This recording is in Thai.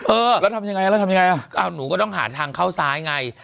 เออแล้วทำยังไงแล้วทำยังไงหนูก็ต้องหาทางเข้าซ้ายไง